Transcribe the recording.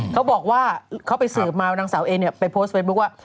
เขาบอกว่าเขาไปสืบมาว่านางสาวเอเนี่ยไปโพสต์เฟซบุ๊คว่า